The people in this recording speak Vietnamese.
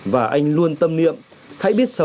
và anh luôn tâm niệm hãy biết sống